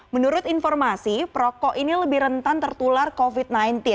menurut informasi perokok ini lebih rentan tertular covid sembilan belas